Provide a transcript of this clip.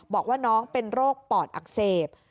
บอกว่าน้องเป็นโรคปอดอักเสบ